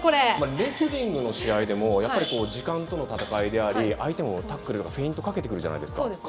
レスリングの試合でも時間との闘いであり相手もフェイントかけてくるじゃないですか。